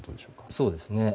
そうですね。